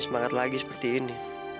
semangat lagi seperti ini